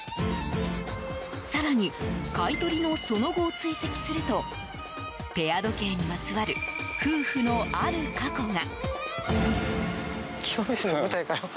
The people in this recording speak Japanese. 更に、買い取りのその後を追跡するとぺア時計にまつわる夫婦のある過去が。